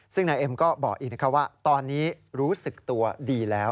ซึ่งในเอมก็บอกอีกหน้าคำว่าตอนนี้รู้สึกตัวดีแล้ว